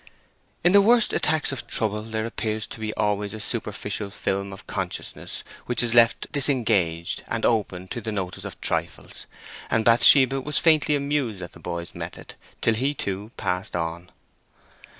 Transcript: In the worst attacks of trouble there appears to be always a superficial film of consciousness which is left disengaged and open to the notice of trifles, and Bathsheba was faintly amused at the boy's method, till he too passed on.